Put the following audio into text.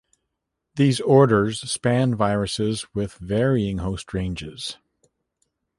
These orders span viruses with varying host ranges.